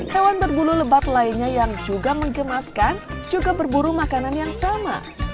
hewan berbulu lebat lainnya yang juga mengemaskan juga berburu makanan yang sama